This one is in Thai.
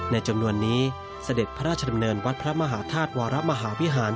จำนวนนี้เสด็จพระราชดำเนินวัดพระมหาธาตุวรมหาวิหาร